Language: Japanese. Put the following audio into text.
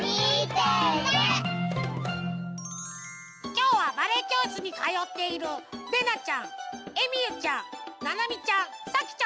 きょうはバレエきょうしつにかよっているれなちゃんえみゆちゃんななみちゃんさきちゃんです！